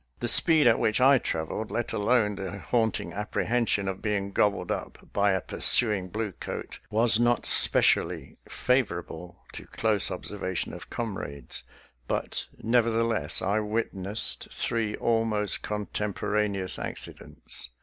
The speed at which I traveled, let alone the haunting apprehension of being gobbled up by a pursuing blue coat, was not specially favorable to close observation of comrades, but, neverthe less, I witnessed three almost contemporaneous accidents.